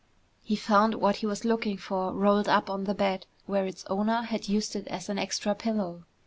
He found what he was looking for rolled up on the bed where its owner had used it as an extra pillow.